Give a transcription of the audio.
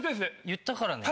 言ったからね。